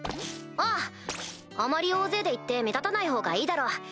あああまり大勢で行って目立たないほうがいいだろう。